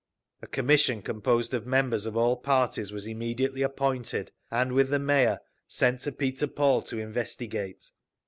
A commission composed of members of all parties was immediately appointed, and with the Mayor, sent to Peter Paul to investigate.